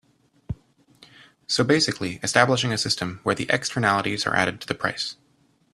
So basically establishing a system where the externalities are added to the price.